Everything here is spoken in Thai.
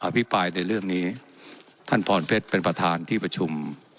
พิปรายในเรื่องนี้ท่านพรเพชรเป็นประธานที่ประชุม